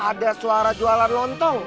ada suara jualan lontong